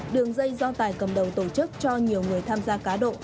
đường dây do tài cầm đầu tổ chức cho nhiều người tham gia cá độ